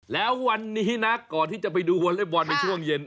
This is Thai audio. แล้ววันนี้นะก่อนที่จะไปดูวอเล็กบอลในช่วงเย็น